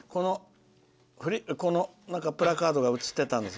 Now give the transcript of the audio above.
このプラカードが映っていたんです。